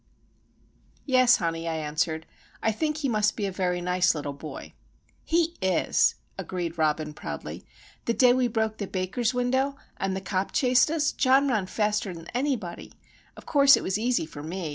"Yes, honey," I answered. "I think he must be a very nice little boy." "He is," agreed Robin, proudly. "The day we broke the baker's window, an' the cop chased us, John ran faster than anybody. Of course, it was easy for me.